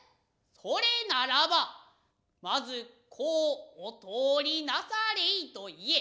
それならばまずこうお通りなされいと言え。